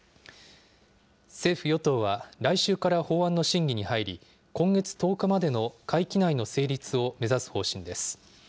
政府・与党は来週から法案の審議に入り、今月１０日までの会期内の成立を目指す方針です。